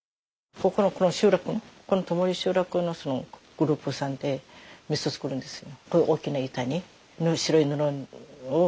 ここのこの集落この土盛集落のグループさんで味噌作るんですよ。